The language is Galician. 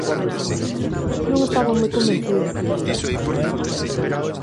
Non estaba moi convencido.